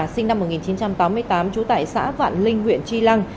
sinh năm một nghìn chín trăm tám mươi tám trú tại xã vạn linh huyện tri lăng